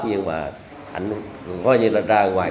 nhưng mà anh gọi như là ra ngoài